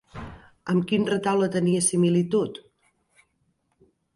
Amb quin retaule tenia similitud?